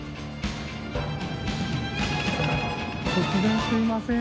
突然すいません。